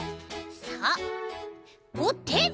さあおて！